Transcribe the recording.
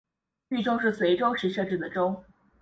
渝州是隋朝时设置的州。